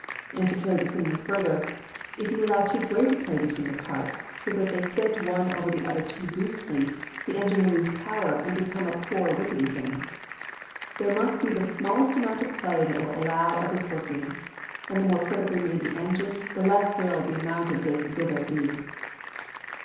And to carry the simile further, if you allow too great a play between the parts, so that they fit one over the other too loosely, the engine will lose power and become a poor rickety thing. There must be the smallest amount of play that will allow of its working. And the more perfectly made the engine, the less will the amount of this "dither" be.